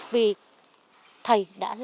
vì thầy đã là một người